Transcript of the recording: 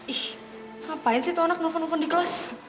ih ngapain sih tuh anak nelfon nelfon di kelas